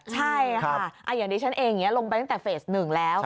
ใช่ค่ะอย่างเดี๋ยวฉันเองลงไปตั้งแต่เฟส๑แล้ว